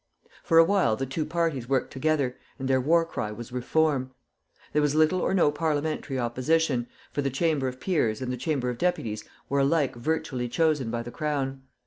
For a while the two parties worked together, and their war cry was Reform! There was little or no parliamentary opposition, for the Chamber of Peers and the Chamber of Deputies were alike virtually chosen by the Crown.